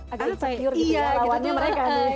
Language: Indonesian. agak kecayur gitu ya lawannya mereka nih